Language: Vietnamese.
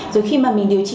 rồi khi mà mình điều trị